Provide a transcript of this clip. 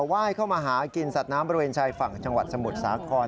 ไหว้เข้ามาหากินสัตว์น้ำบริเวณชายฝั่งจังหวัดสมุทรสาคร